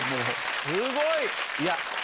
すごい！